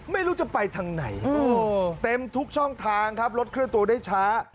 ไม่รู้จะไปทางไหนเต็มทุกช่องทางครับรถเคลื่อนตัวได้ช้า